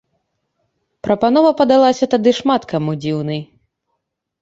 Прапанова падалася тады шмат каму дзіўнай.